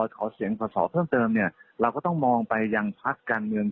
ขอเสียงสอสอเพิ่มเติมเนี่ยเราก็ต้องมองไปยังพักการเมือง